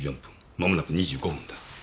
まもなく２５分だ。